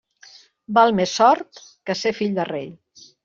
Val més sort que ser fill de rei.